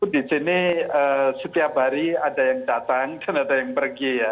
di sini setiap hari ada yang datang kan ada yang pergi ya